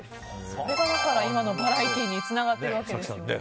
それが今のバラエティーにつながっているわけですね。